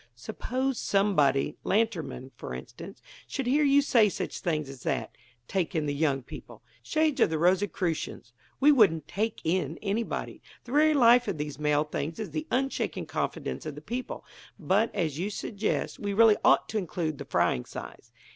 "Suppose somebody Lantermann, for instance should hear you say such things as that: 'take in the young people'! Shades of the Rosicrucians! we wouldn't 'take in' anybody. The very life of these mail things is the unshaken confidence of the people. But, as you suggest, we really ought to include the frying size."